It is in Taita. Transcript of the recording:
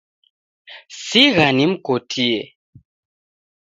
Sigha nimkotie.